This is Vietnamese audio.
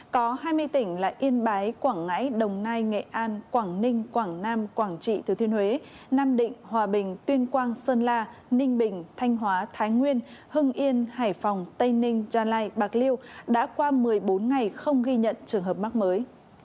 có hai mươi tỉnh là yên bái quảng ngãi đồng nai nghệ an quảng ninh quảng nam quảng trị thứ thiên huế nam định hòa bình tuyên quang sơn la ninh bình thanh hóa thái nguyên hưng yên hải phòng tây ninh gia lai bạc liêu đã qua một mươi bốn ngày không ghi nhận trường hợp mắc mới